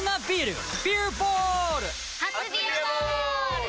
初「ビアボール」！